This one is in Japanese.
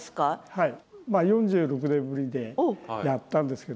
はい。